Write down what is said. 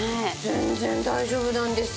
全然大丈夫なんです。